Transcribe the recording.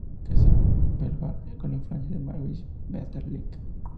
Fue un poeta de una gran riqueza verbal con influencias de Maurice Maeterlinck.